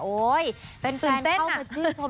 โอ้ยแฟนเข้าไปชื่นชม